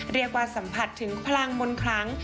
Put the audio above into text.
เรียกว่าสัมผัสถึงพลังมนต์ครั้ง